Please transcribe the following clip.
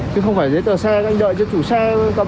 chứ không phải giấy tờ xe anh đợi cho chủ xe cầm